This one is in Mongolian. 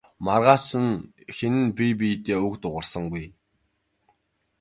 Маргааш нь хэн нь бие биедээ үг дуугарсангүй.